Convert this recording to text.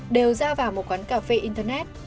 đều ra vào một quán cà phê international